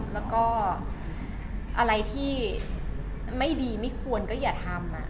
แล้วก็อะไรที่ไม่ดีไม่ควรก็อย่าทำ